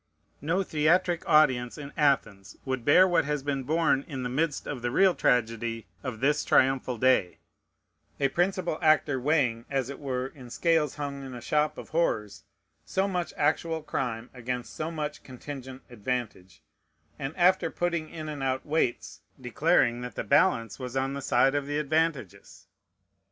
No theatric audience in Athens would bear what has been borne in the midst of the real tragedy of this triumphal day: a principal actor weighing, as it were in scales hung in a shop of horrors, so much actual crime against so much contingent advantage, and after putting in and out weights, declaring that the balance was on the side of the advantages.